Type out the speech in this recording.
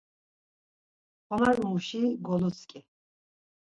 Xonarimuşi gulutzǩi.